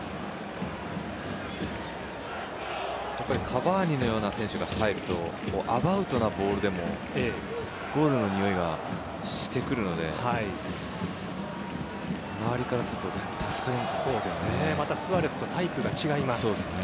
カヴァーニのような選手が入るとアバウトなボールでもゴールのにおいがしてくるので周りからするとだいぶ助かりますけどね。